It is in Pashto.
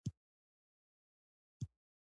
ګورنرجنرال بېطرفي غوره کړي.